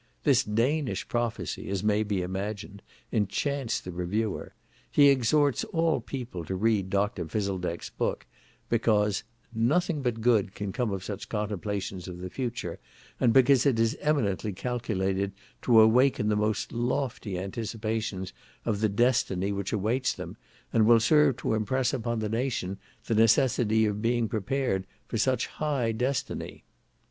This Danish prophecy, as may be imagined, enchants the reviewer. He exhorts all people to read Dr. Phiseldek's book, because "nothing but good can come of such contemplations of the future, and because it is eminently calculated to awaken the most lofty anticipations of the destiny which awaits them, and will serve to impress upon the nation the necessity of being prepared for such high destiny."